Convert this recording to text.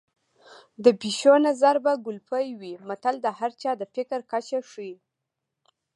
د پيشو نظر به کولپۍ وي متل د هر چا د فکر کچه ښيي